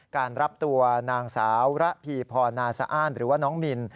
การรับตัวนางสาวระพีพรนาสะอ้านหรือว่าน้องมิน